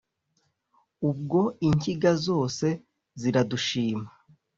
ubwo inkiga zose ziradushima